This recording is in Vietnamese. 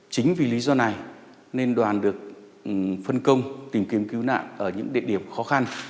chính vì lý do này nên đoàn được phân công tìm kiếm cứu nạn ở những địa điểm khó khăn